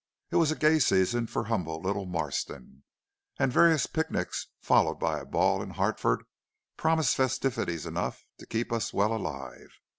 "It was a gay season for humble little Marston, and various picnics followed by a ball in Hartford promised festivities enough to keep us well alive.